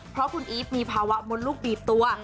เพราะคุณอีฟมีภาวะมดลูกบีบตัว